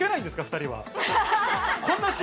２人は。